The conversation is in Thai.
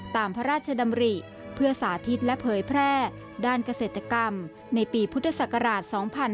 ตามพระราชดำริเพื่อสาธิตและเผยแพร่ด้านเกษตรกรรมในปีพุทธศักราช๒๕๕๙